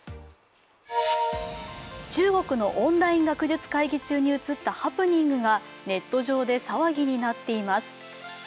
中国のオンライン学術会議中に映ったハプニングがネット上で騒ぎになっています。